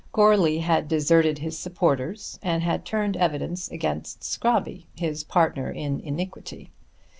Goarly had deserted his supporters and had turned evidence against Scrobby, his partner in iniquity.